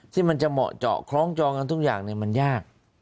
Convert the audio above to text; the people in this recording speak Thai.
ที่มันจะเหมาะเจาะคล้องจองกันทุกอย่างมันยาก